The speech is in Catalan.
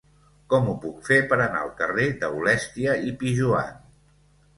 Com ho puc fer per anar al carrer d'Aulèstia i Pijoan?